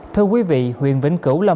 thưa quý vị